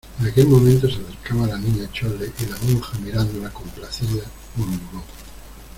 en aquel momento se acercaba la Niña Chole, y la monja , mirándola complacida , murmuró: